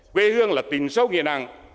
quê hương là tình sâu nghiền nặng